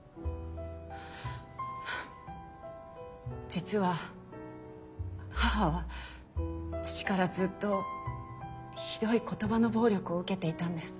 実は母は父からずっとひどい言葉の暴力を受けていたんです。